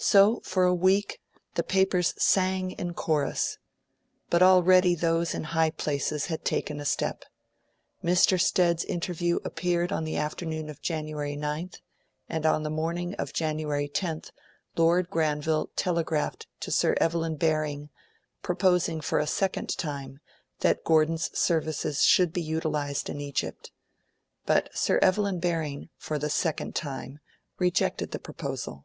So, for a week, the papers sang in chorus. But already those in high places had taken a step. Mr. Stead's interview appeared on the afternoon of January 9th, and on the morning of January 10th Lord Granville telegraphed to Sir Evelyn Baring, proposing, for a second time, that Gordon's services should be utilised in Egypt. But Sir Evelyn Baring, for the second time, rejected the proposal.